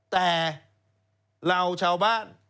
แต่เราชาวบ้าน